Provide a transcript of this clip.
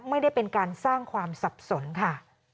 ไม่ได้เป็นการสร้างความสับสนค่ะ